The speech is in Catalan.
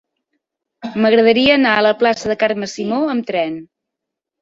M'agradaria anar a la plaça de Carme Simó amb tren.